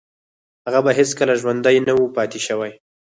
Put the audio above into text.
هغه به هیڅکله ژوندی نه و پاتې شوی